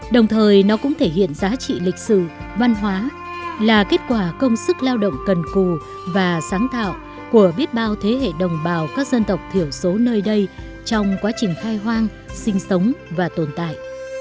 đồng thời nó cũng thể hiện giá trị lịch sử văn hóa là kết quả công sức lao động cần cù và sáng tạo của biết bao thế hệ đồng bào các dân tộc thiểu số nơi đây trong quá trình khai hoang sinh sống và tồn tại